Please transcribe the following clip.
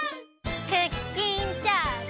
クッキンチャージ！